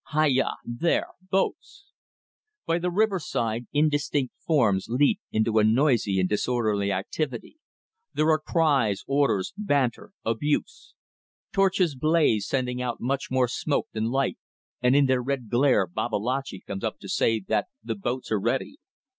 Hai ya! There! Boats! By the riverside indistinct forms leap into a noisy and disorderly activity. There are cries, orders, banter, abuse. Torches blaze sending out much more smoke than light, and in their red glare Babalatchi comes up to say that the boats are ready.